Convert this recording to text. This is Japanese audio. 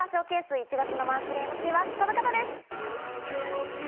１月のマンスリーＭＣはこの方です！